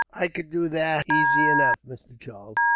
"I could do that asy enough, Mr. Charles."